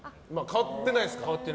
変わってないです。